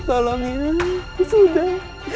tolong ya sudah